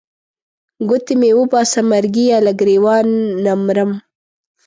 ګوتې مې وباسه مرګیه له ګرېوانه نه مرم.